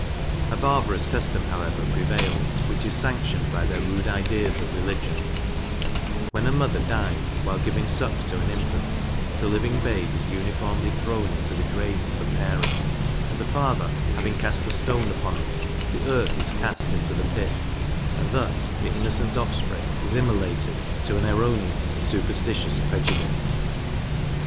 A barbarous custom, however, prevails, which is sanctioned by their rude ideas of religion: When a mother dies, while giving suck to an infant, the living babe is uniformly thrown into the grave of the parent, and the father having cast a stone upon it, the earth is cast into the pit, and thus the innocent offspring is immolated to an erroneous and superstitious prejudice.